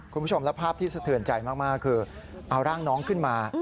คุณผู้ชมแล้วภาพที่สะเทือนใจมากคือเอาร่างน้องขึ้นมา